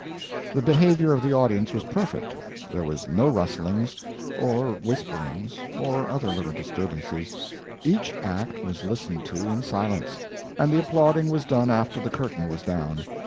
The behavior of the audience was perfect. There were no rustlings, or whisperings, or other little disturbances; each act was listened to in silence, and the applauding was done after the curtain was down.